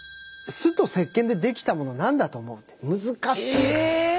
酢とせっけんでできたもの何だと思うって難しい。え！